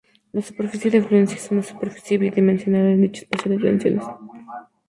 La superficie de fluencia es una superficie bidimensional en dicho espacio de tensiones.